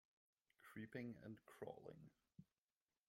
Creeping and crawling